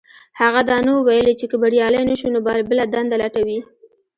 هغه دا نه وو ويلي چې که بريالی نه شو نو بله دنده لټوي.